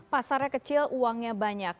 pasarnya kecil uangnya banyak